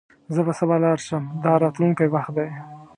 زه به سبا لاړ شم – دا راتلونکی وخت دی.